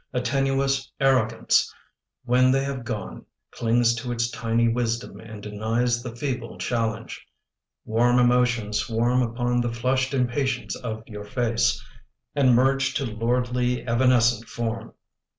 A tenuous arrogance, when they have gone, Clings to its tiny wisdom and denies The feeble challenge. Warm emotions swarm Upon the flushed impatience of your face And merge to lordly, evanescent form.